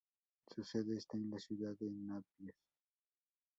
Su sede está en la ciudad de Naples.